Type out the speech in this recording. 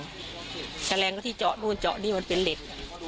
มีเฉลงก็ที่เจาะนู้นเจาะนี่มันเป็นเหล็ก